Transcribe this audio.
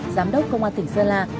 giám đốc công an tỉnh sơn la